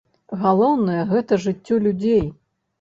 Галоўнае гэта жыццё людзей.